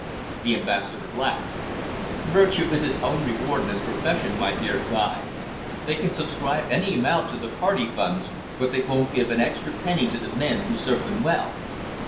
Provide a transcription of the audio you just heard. The Ambassador laughed. "Virtue is its own reward in this profession, my dear Guy. They can subscribe any amount to the party funds, but they won't give an extra penny to the men who serve them well.